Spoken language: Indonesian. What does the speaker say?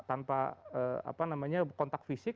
apa namanya kontak fisik